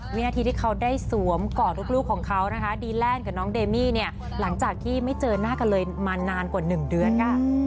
วินาทีที่เขาได้สวมกอดลูกของเขานะคะดีแลนด์กับน้องเดมี่เนี่ยหลังจากที่ไม่เจอหน้ากันเลยมานานกว่า๑เดือนค่ะ